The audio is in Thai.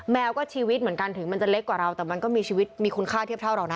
แมวก็ชีวิตเหมือนกันถึงมันจะเล็กกว่าเราแต่มันก็มีชีวิตมีคุณค่าเทียบเท่าเรานะ